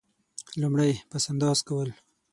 لومړی: پس انداز کول.